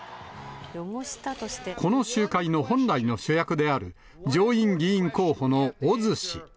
この集会の本来の主役である、上院議員候補のオズ氏。